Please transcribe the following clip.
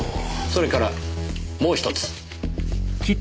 それからもう一つ。